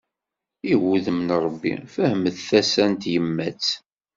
I wudem n Rebbi, fehmet tasa n tyemmat.